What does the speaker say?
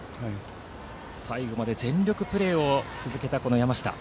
最後まで全力プレーを続けた山下。